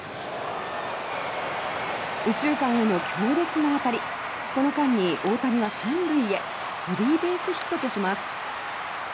右中間への強烈な当たりこの間に大谷は三塁へスリーベースヒットとします。